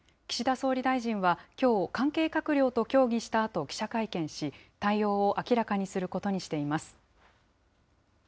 岸田総理大臣はきょう、関係閣僚と協議したあと、記者会見し、対応を明らかにすることにしています。